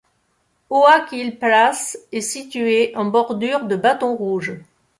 Oak Hills Place est située en bordure de Baton Rouge.